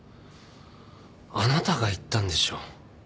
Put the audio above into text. あなたが言ったんでしょう。